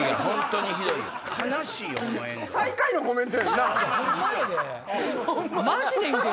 最下位のコメント。